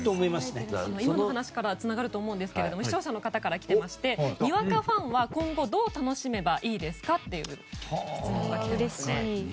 今の話からつながると思うんですけども視聴者の方から来ていましてにわかファンは今後どう楽しめばいいですかとそういう質問が来ていますね。